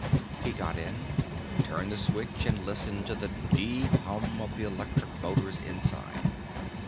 He got in, turned the switch, and listened to the deep hum of the electric motors inside.